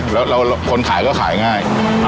แล้วคนขายก็ขายง่าย